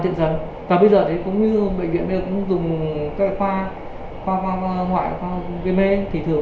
thiện dần và bây giờ cũng như bệnh viện bây giờ cũng dùng cái khoa khoa ngoại khoa gm thì thường